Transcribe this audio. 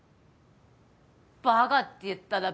バカって言ったな。